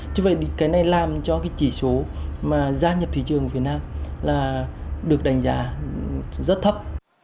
chứ vậy thì cái này làm cho cái chỉ số mà gia nhập thị trường của việt nam là được đánh giá rất thấp